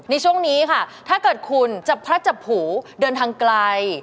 ในช่วงนี้ค่ะถ้าเกิดคุณจะพระจับผูเดินทางไกล